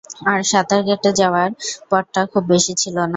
আর সাঁতার কেটে যাওয়ার পথটা খুব বেশি ছিল না।